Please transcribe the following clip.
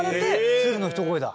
鶴の一声だ。